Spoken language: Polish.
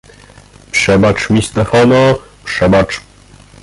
"Przebacz mi Stefana, przebacz!"